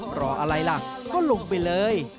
เพราะอะไรล่ะก็ลงไปเลย